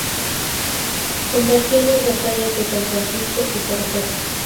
Combatió en las batallas de San Francisco y Tarapacá.